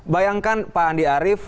bayangkan pak andi arief